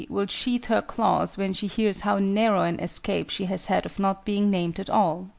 will sheathe her claws when she hears how narrow an escape she has had of not being named at all.